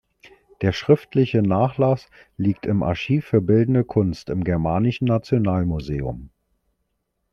Der schriftliche Nachlass liegt im Archiv für Bildende Kunst im Germanischen Nationalmuseum.